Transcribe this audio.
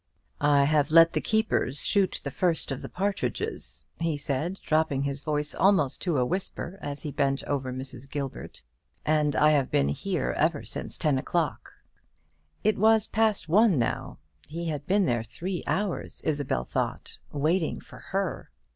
"I have let the keepers shoot the first of the partridges," he said, dropping his voice almost to a whisper as he bent over Mrs. Gilbert, "and I have been here ever since ten o'clock." It was past one now. He had been there three hours, Isabel thought, waiting for her.